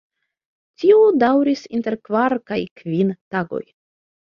Tio daŭris inter kvar kaj kvin tagoj.